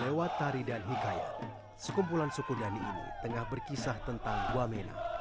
lewat tari dan hikayat sekumpulan suku dhani ini tengah berkisah tentang wamena